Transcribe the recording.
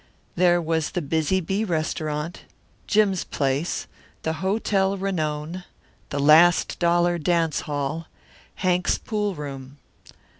There was the Busy Bee Restaurant, Jim's Place, the Hotel Renown, the Last Dollar Dance Hall, Hank's Pool Room.